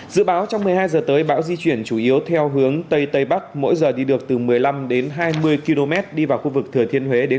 dự báo trong một mươi hai h tới bão di chuyển chủ yếu theo hướng tây tây bắc mỗi giờ đi được từ một mươi năm đến hai mươi km đi vào khu vực thừa thiên huế đến